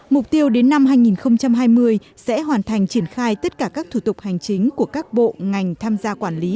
mục tiêu đến năm hai nghìn hai mươi sẽ hoàn thành triển khai tất cả các thủ tục hành chính của các bộ ngành tham gia quản lý